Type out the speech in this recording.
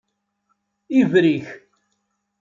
Ibrik.